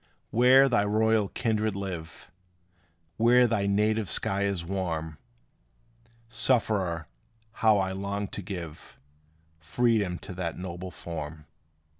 Where thy royal kindred live Where thy native sky is warm, Sufferer, how I long to give Freedom to that noble form!